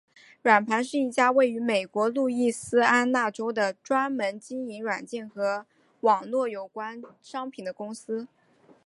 软盘是一家位于美国路易斯安那州的专门经营软件和网络有关商品的公司。